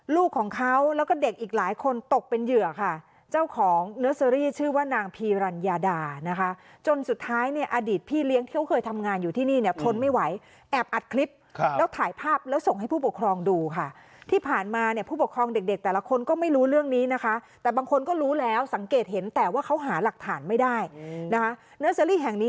ลูกของเขาแล้วก็เด็กอีกหลายคนตกเป็นเหยื่อค่ะเจ้าของเนอร์เซอรี่ชื่อว่านางพีรัญญาดานะคะจนสุดท้ายเนี่ยอดีตพี่เลี้ยงที่เขาเคยทำงานอยู่ที่นี่เนี่ยทนไม่ไหวแอบอัดคลิปครับแล้วถ่ายภาพแล้วส่งให้ผู้ปกครองดูค่ะที่ผ่านมาเนี่ยผู้ปกครองเด็กเด็กแต่ละคนก็ไม่รู้เรื่องนี้นะคะแต่บางคนก็รู้แล้วสังเกตเห็นแต่ว่าเขาหาหลักฐานไม่ได้นะคะ